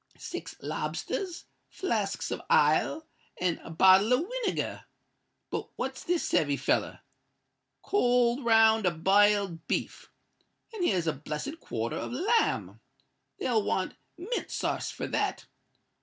Six lobsters—flask of ile—and bottle of winegar. But what's this heavy feller? Cold round of biled beef;—and here's a blessed quarter of lamb. They'll want mint sarse for that.